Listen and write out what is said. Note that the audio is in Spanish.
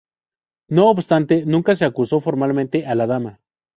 No obstante, nunca se acusó formalmente a la dama.